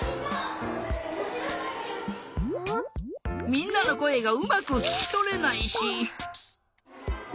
みんなのこえがうまくききとれないし。